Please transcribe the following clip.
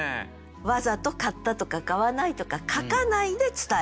わざと「買った」とか「買わない」とか書かないで伝える。